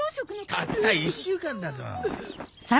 たった１週間だぞ？